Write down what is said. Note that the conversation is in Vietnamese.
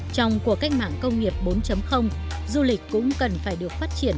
trong cuộc cách mạng công nghiệp bốn du lịch cũng cần phải được phát triển